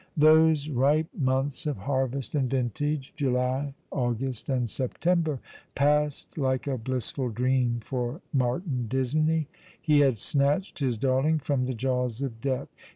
Those ripe months of harvest and vintage, July, August, and September, passed like a blissful dream for Martin Disney. He had snatched his darling from the jaws of death.